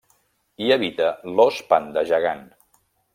Hi habita l'ós panda gegant.